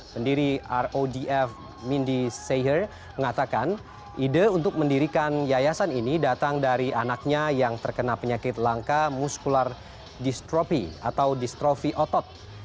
pendiri rodf mindi sehir mengatakan ide untuk mendirikan yayasan ini datang dari anaknya yang terkena penyakit langka muskular distropi atau distrofi otot